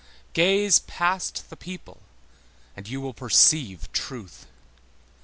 Gaze past the people, and you will perceive truth.